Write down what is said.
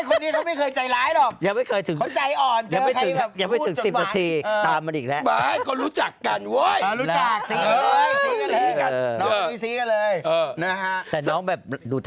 คนนี้เราไม่เคยใจร้ายหรอก